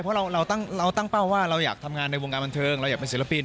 เพราะเราตั้งเป้าว่าเราอยากทำงานในวงการบันเทิงเราอยากเป็นศิลปิน